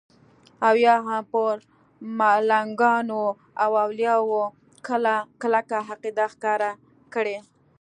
او یا هم پر ملنګانو او اولیاو کلکه عقیده ښکاره کړي.